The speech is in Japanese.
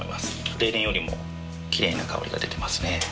例年よりもきれいな香りが出てますね。